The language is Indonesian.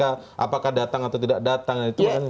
apakah datang atau tidak datang